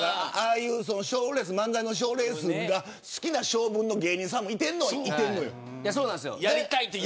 漫才の賞レースが好きな性分の芸人さんもいるのよ。